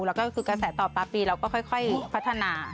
แล้วก็กระแสต่อปรับปีเราก็ค่อยพัฒนา